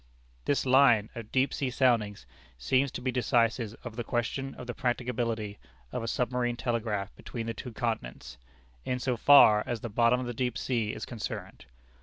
"This line of deep sea soundings seems to be decisive of the question of the practicability of a submarine telegraph between the two continents, in so far as the bottom of the deep sea is concerned.